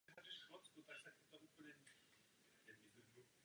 V řadě bodů se shodujeme.